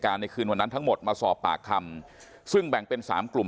ในคืนวันนั้นทั้งหมดมาสอบปากคำซึ่งแบ่งเป็นสามกลุ่ม